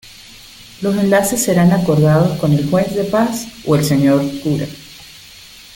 Los enlaces serán acordados con el juez de paz o el señor cura.